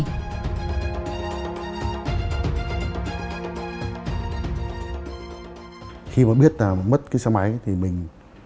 khi mà biết là mất cái xe máy thì mình